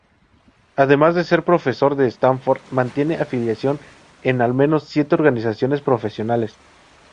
Además de ser profesor en Stanford, mantiene afiliación en al menos siete organizaciones profesionales.